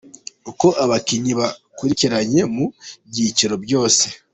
Uko abakinnyi bakurikiranye mu byiciro byose.